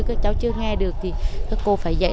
các cháu chưa nghe được thì các cô phải dạy